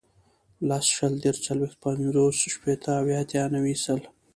لس, شل, دېرش, څلوېښت, پنځوس, شپېته, اویا, اتیا, نوي, سل